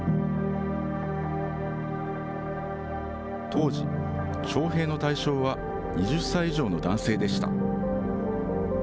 当時、徴兵の対象は２０歳以上の男性でした。